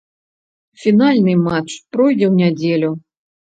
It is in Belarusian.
Фінальны матч пройдзе ў нядзелю.